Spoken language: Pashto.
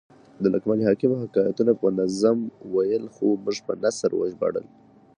د لقمان حکم حکایتونه په نظم ول؛ خو موږ په نثر وژباړل.